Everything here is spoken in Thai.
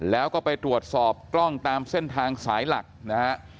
แล้วก็ไปตรวจสอบกล้องตามเส้นทางสายหลักนะฮะ